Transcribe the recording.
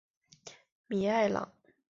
米埃朗。